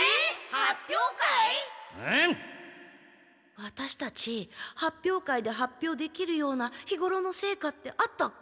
ワタシたち発表会で発表できるような日ごろの成果ってあったっけ？